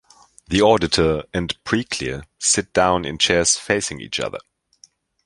The auditor and pre-Clear sit down in chairs facing each other.